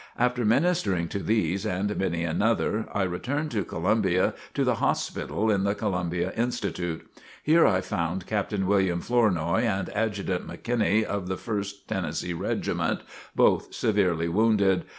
After ministering to these and many another, I returned to Columbia to the hospital in the Columbia Institute. Here I found Captain William Flournoy and Adjutant McKinney of the First Tennessee Regiment, both severely wounded.